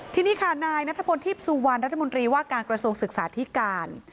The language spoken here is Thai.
ทีนี้ค่ะนายนัทพลทีพสุวรรณรัฐมนตรีว่าการกระทรวงศึกษาธิการ